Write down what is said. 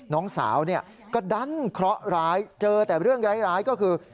น้องสาวก็ดันเคราะห์ร้ายเจอแต่เรื่องร้ายก็คือ